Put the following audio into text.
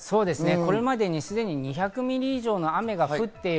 これまでにすでに２００ミリ以上の雨が降っている。